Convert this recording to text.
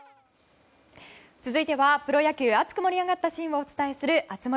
続いてはプロ野球熱く盛り上がったシーンをお伝えする熱盛。